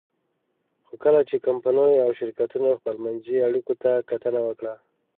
خو کله چې کمپنیو او شرکتونو خپلمنځي اړیکو ته کتنه وکړه.